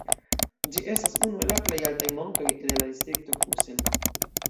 Ĝi estas unu el la plej altaj montoj de la distrikto Kusel.